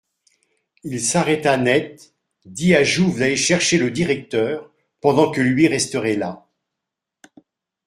Il s'arrêta net, dit à Jouve d'aller chercher le directeur, pendant que lui resterait là.